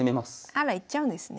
あら行っちゃうんですね。